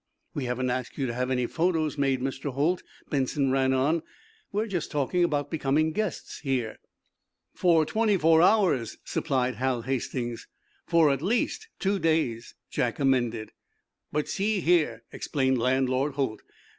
"We haven't asked you to have any photos made, Mr. Holt," Benson ran on. "We're just talking about becoming guests here." "For twenty four hours," supplied Hal Hastings. "For at least two days," Jack amended. "But, see here," explained Landlord Holt.